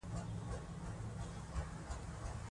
ټولنه د مالي پوهې له لارې وده کوي.